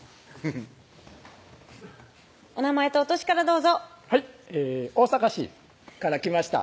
お名前とお歳からどうぞはい大阪市から来ました